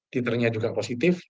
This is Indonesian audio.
titernya juga positif